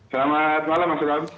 selamat malam mas yudham